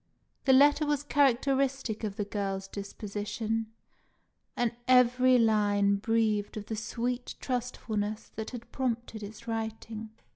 The letter was characteristic of the girl's disposition, and every line breathed of the sweet trustfulness that had prompted its writing.